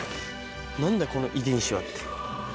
なんだこの遺伝子はって。